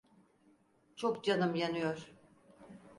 Çok canım yanıyor.